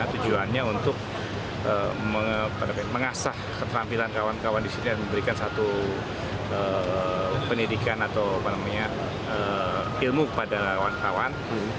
tujuannya untuk mengasah keterampilan kawan kawan di sini dan memberikan satu pendidikan atau ilmu kepada kawan kawan